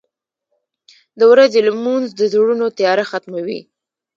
• د ورځې لمونځ د زړونو تیاره ختموي.